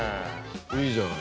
いいじゃん。